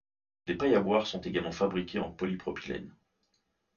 Des pailles à boire sont également fabriquées en polypropylène.